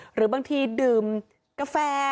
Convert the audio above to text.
หรือบางทีดื่มกาแฟ